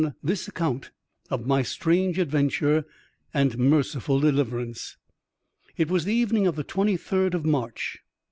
this account of my strange adventure, and merciful deliverance. It was the evening of the 23rd of March, 1876.